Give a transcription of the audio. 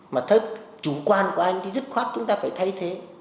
mà thấp chủ quan của anh thì rất khoát chúng ta phải thay thế